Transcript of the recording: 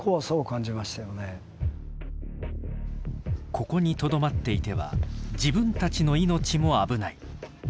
ここにとどまっていては自分たちの命も危ない。